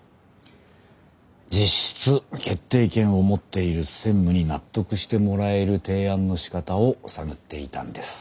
実質決定権を持っている専務に納得してもらえる提案のしかたを探っていたんです。